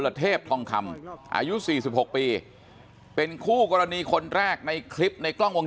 ละเทพทองคำอายุ๔๖ปีเป็นคู่กรณีคนแรกในคลิปในกล้องวง